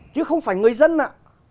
chứ không phải người dân ạ